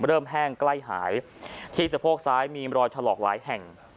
แห้งใกล้หายที่สะโพกซ้ายมีรอยถลอกหลายแห่ง